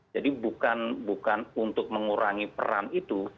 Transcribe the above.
jadi bukan untuk mengurangi peran itu